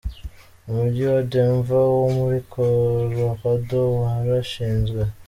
Umujyi wa Denver wo muri Colorado warashinzwe.